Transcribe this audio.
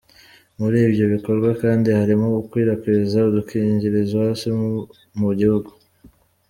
Muri ibyo bikorwa kandi harimo gukwirakwiza udukingirizo hose mu gihugu.